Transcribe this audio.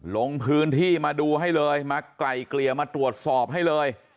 ลงพื้นที่มาดูให้เลยมาไกลเกลี่ยมาตรวจสอบให้เลย